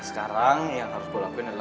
sekarang yang harus gue lakuin adalah